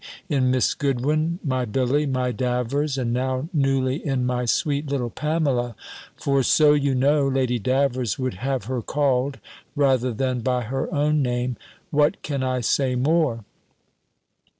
in Miss Goodwin, my Billy, my Davers, and now, newly, in my sweet little Pamela (for so, you know, Lady Davers would have her called, rather than by her own name), what can I say more?